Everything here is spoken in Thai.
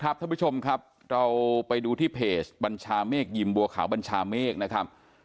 ท่านผู้ชมครับเราไปดูที่เพจบัญชาเมฆยิมบัวขาวบัญชาเมฆนะครับ